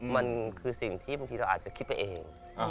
มันคือสิ่งที่บางทีเราอาจจะคิดไปเอง